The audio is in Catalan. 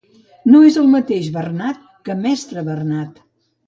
No és el mateix Bernat que mestre Bernat.